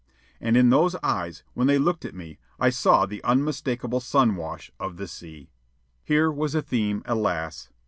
And in those eyes, when they looked at me, I saw the unmistakable sun wash of the sea. Here was a theme, alas!